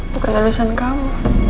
bukan urusan kamu